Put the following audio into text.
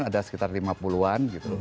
ada sekitar lima puluh an gitu